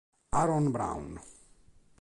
Aaron Brown